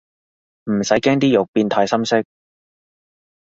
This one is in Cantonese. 唔使驚啲肉變太深色